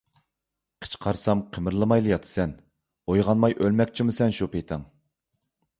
قىچقارسام قىمىرلىمايلا ياتىسەن، ئويغانماي ئۆلمەكچىمۇ سەن شۇ پېتىڭ؟!